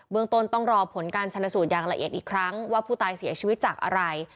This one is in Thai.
เมืองต้นต้องรอผลการชนสูตรอย่างละเอียดอีกครั้งว่าผู้ตายเสียชีวิตจากอะไร